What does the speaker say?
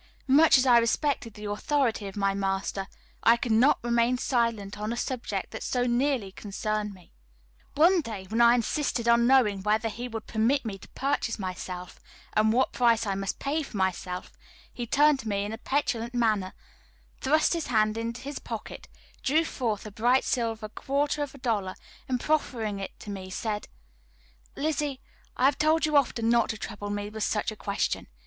Much as I respected the authority of my master, I could not remain silent on a subject that so nearly concerned me. One day, when I insisted on knowing whether he would permit me to purchase myself, and what price I must pay for myself, he turned to me in a petulant manner, thrust his hand into his pocket, drew forth a bright silver quarter of a dollar, and proffering it to me, said: "Lizzie, I have told you often not to trouble me with such a question.